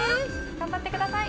頑張ってください。